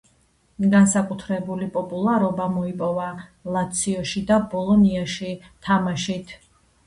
განსაკუთრებული პოპულარობა მოიპოვა ლაციოში და ბოლონიაში თამაშით.